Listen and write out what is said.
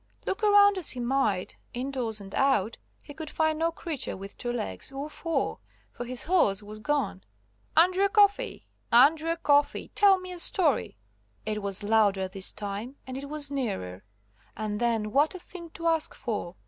Look around as he might, indoors and out, he could find no creature with two legs or four, for his horse was gone. "Andrew Coffey! Andrew Coffey! Tell me a story." It was louder this time, and it was nearer. And then what a thing to ask for!